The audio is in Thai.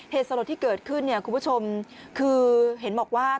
เหตุสรรคที่เกิดขึ้นคุณผู้ชมคือเห็นบอกว่า